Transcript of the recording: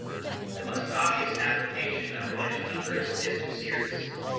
The most obvious application of relation numbers is to series.